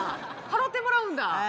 払うてもらうんだ。